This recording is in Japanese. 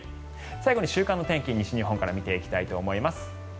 最後に週間の天気、西日本から見ていきたいと思います。